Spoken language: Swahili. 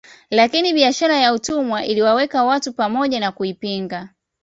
Lakini biashara ya utumwa iliwaweka watu pamoja na kuipinga